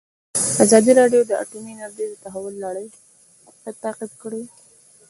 ازادي راډیو د اټومي انرژي د تحول لړۍ تعقیب کړې.